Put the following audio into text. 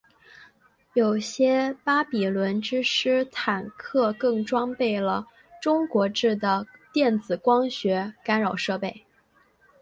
有些巴比伦之狮坦克更装备了中国制的电子光学干扰设备。